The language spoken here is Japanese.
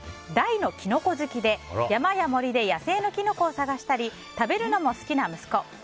大のキノコ好きで山や森で野生のキノコを探したり食べるのも好きな息子。